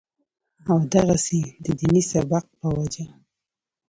او دغسې د ديني سبق پۀ وجه